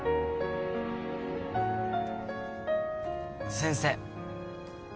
先生。